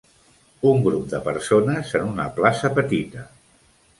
Un grup de persones en una plaça petita.